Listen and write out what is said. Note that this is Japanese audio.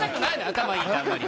「頭いい」ってあんまり。